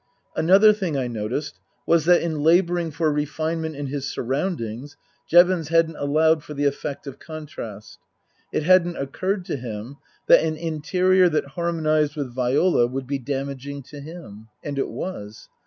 Another thing I noticed was that, in labouring for refine ment in his surroundings, Jevons hadn't allowed for the effect of contrast. It hadn't occurred to him that an interior that harmonized with Viola would be damaging to him. And it was.